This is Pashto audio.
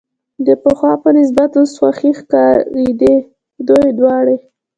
د پخوا په نسبت اوس خوښې ښکارېدې، دوی دواړې.